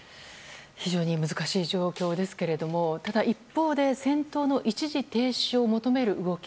非常に難しい状況ですけれどもただ一方で戦闘の一時停止を求める動き